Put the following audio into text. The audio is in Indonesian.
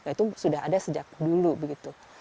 itu sudah ada sejak dulu begitu